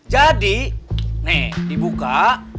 jadi nih dibuka